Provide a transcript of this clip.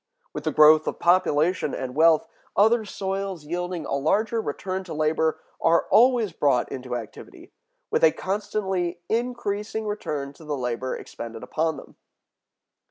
With the growth of population and wealth, other soils yielding a larger return to labor are always brought into activity, with a constantly increasing return to the labor expended upon them."